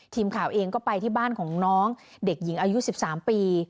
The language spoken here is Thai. ทีมข่าวเองก็ไปที่บ้านของน้องเด็กหญิงอายุ๑๓ปี